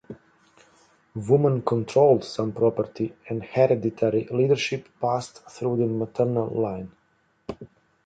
Women controlled some property, and hereditary leadership passed through the maternal line.